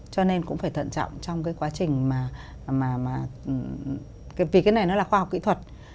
cho nên cũng phải thận trọng trong cái quá trình mà vì cái này nó là khoa học kỹ thuật